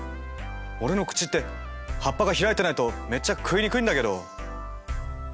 俺の口って葉っぱが開いてないとめっちゃ食いにくいんだけど？